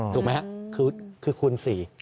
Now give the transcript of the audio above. ถูกไหมครับคือคูณ๔